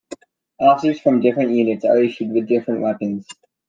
Officers from different units are issued with different weapons.